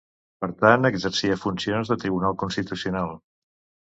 Per tant exercia funcions de tribunal constitucional.